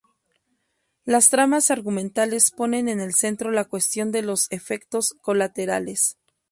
Las tramas argumentales ponen en el centro la cuestión de los efectos colaterales.